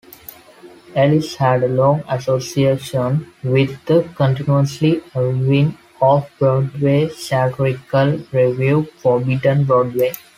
Ellis had a long association with the continuously evolving Off-Broadway satirical revue "Forbidden Broadway".